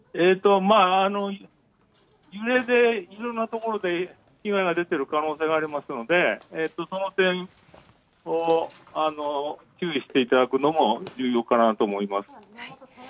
揺れでいろいろなところで被害が出ている可能性がありますのでその点、注意していただくのも重要かなと思います。